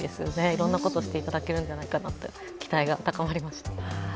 いろんなことをしていただけるんじゃないかと期待が高まりました。